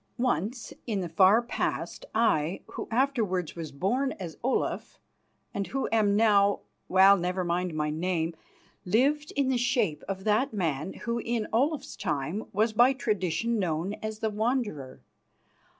Once in the far past I, who afterwards was born as Olaf, and who am now well, never mind my name lived in the shape of that man who in Olaf's time was by tradition known as the Wanderer.